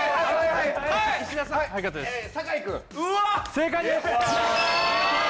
正解です。